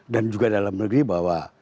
dan juga dalam negeri bahwa